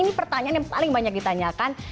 ini pertanyaan yang paling banyak ditanyakan